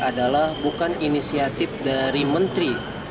adalah bukan inisiatif dari menteri